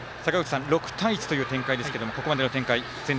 ６対１という展開ですけどここまでの展開